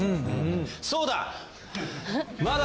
そうだ！